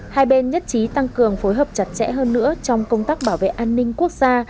hai bên nhất trí tăng cường phối hợp chặt chẽ hơn nữa trong công tác bảo vệ an ninh quốc gia